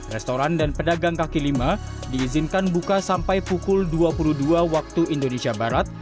restoran dan pedagang kaki lima diizinkan buka sampai pukul dua puluh dua waktu indonesia barat